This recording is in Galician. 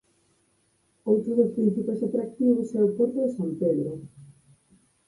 Outro dos principais atractivos é o porto de San Pedro.